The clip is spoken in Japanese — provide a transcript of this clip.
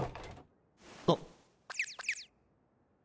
あっ。